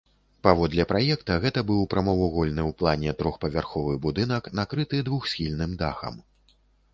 Паводле праекта гэта быў прамавугольны ў плане трохпавярховы будынак, накрыты двухсхільным дахам.